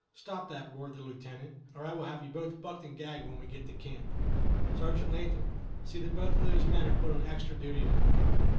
"Stop that!" roared the Lieutenant, "or I will have you both bucked and gagged when we get to camp. Sergeant Latham, see that both of those men are put on extra duty to night."